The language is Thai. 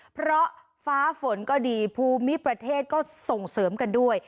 เพราะฟ้าฝนก็ดีภูมิประเทศก็ส่งเสริมกันด้วย